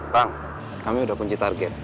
bang kami sudah kunci target